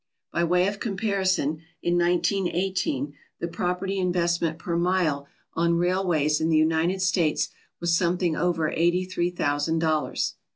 By way of comparison, in 1918 the property investment per mile on railways in the United States was something over eighty three thousand dollars.